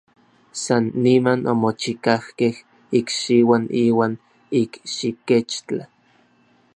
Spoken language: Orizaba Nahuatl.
San niman omochikajkej ikxiuan iuan ikxikechtla.